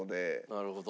なるほど。